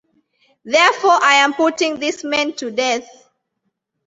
Therefore I am putting these men to death.